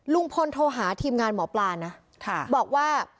ลุงพลโทรหาทีมงานหมอปลานะบอกว่า